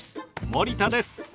森田です！